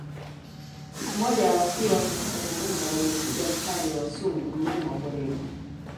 Sik moja wakiwa katika kuwinda walimpiga mshale wa sumu mnyama wa porini